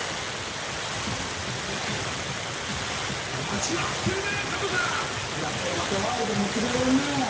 味わってるね、加藤さん。またワールド持っていかれるね。